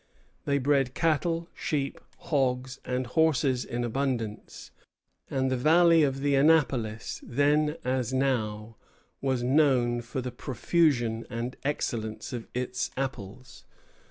They bred cattle, sheep, hogs, and horses in abundance; and the valley of the Annapolis, then as now, was known for the profusion and excellence of its apples.